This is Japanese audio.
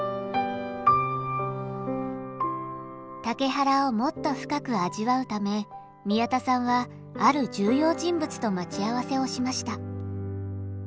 竹原をもっと深く味わうため宮田さんはある重要人物と待ち合わせをしました。